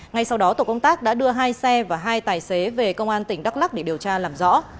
ngay sau đó tổ công tác đã đưa hai xe và hai tài xế về công an tỉnh đắk lắc để điều tra làm rõ